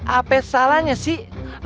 apa salahnya sih